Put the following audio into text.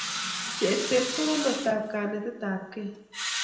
chegset ko kamstap kanetet apkei